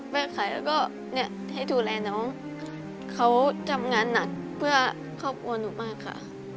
ขายแล้วก็เนี่ยให้ดูแลน้องเขาทำงานหนักเพื่อครอบครัวหนูมากค่ะ